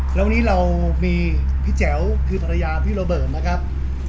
แล้ววันนี้เรามีพี่แจ๋วคือภรรยาพี่โรเบิร์ตนะครับ